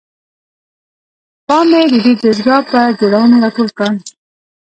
پام مې ددې دستګاه پر جوړونې راټول کړ.